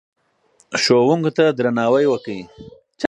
ښوونکو ته درناوی وکړئ.